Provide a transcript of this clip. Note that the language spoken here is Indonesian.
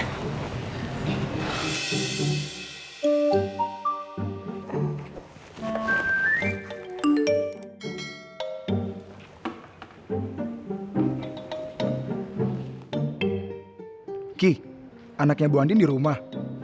gigi anaknya bu andi di rumah